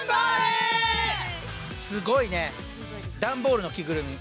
すごいねダンボールの着ぐるみ。